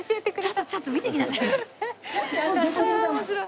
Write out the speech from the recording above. ちょっとちょっと見ていきなさいって。